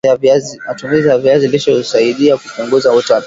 matumizi ya viazi lishe husaidia kupunguza utapiamlo